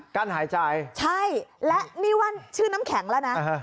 กั้นหายใจใช่และนี่ว่าชื่อน้ำแข็งแล้วนะ